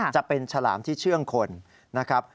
จะเป็นฉลามที่เชื่องคนนะครับ